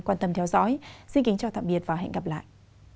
cảm ơn các bạn đã theo dõi xin kính chào tạm biệt và hẹn gặp lại